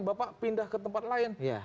bapak pindah ke tempat lain